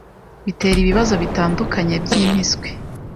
bitera ibibazo bitandukanye by’impiswi,